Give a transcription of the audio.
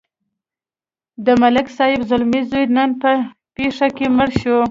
د ملک صاحب زلمی زوی نن په پېښه کې مړ شو.